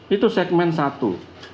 itu segmen satu